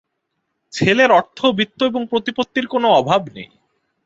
ছেলের অর্থ, বিত্ত এবং প্রতিপত্তির কোনো অভাব নেই।